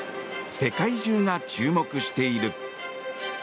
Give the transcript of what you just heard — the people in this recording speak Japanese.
世界中が注目している。